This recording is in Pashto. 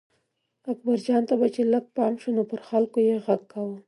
اکبرجان ته به چې لږ پام شو نو پر خلکو یې غږ کاوه.